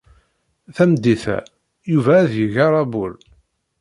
Tameddit-a, Yuba ad d-yeg aṛabul.